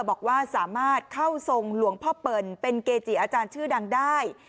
บอกว่าสามารถเข้าทรงหลวงพ่อเปิลเป็นเกจิอาจารย์ชื่อดังได้